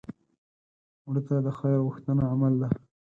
مړه ته د خیر غوښتنه عمل دی